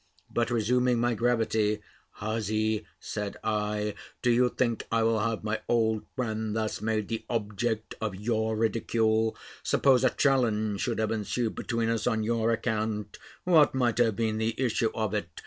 But, resuming my gravity "Hussy, said I, do you think I will have my old friend thus made the object of your ridicule? Suppose a challenge should have ensued between us on your account what might have been the issue of it?